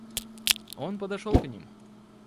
Он подошел к ним.